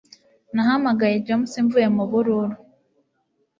Nahamagaye James mvuye mubururu.